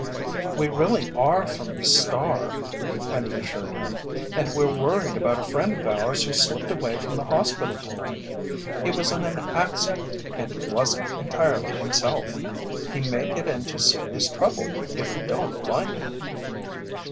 "We really are from the Star," Penny assured him. "And we're worried about a friend of ours who slipped away from the hospital tonight. He was in an accident and wasn't entirely himself. He may get into serious trouble if we don't find him."